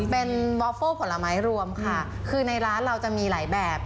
เป็นวอฟเฟอร์ผลไม้รวมค่ะคือในร้านเราจะมีหลายแบบ